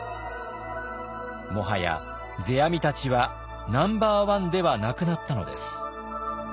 もはや世阿弥たちはナンバーワンではなくなったのです。